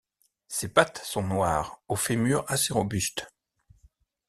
Ses pattes sont noires, aux fémurs assez robustes.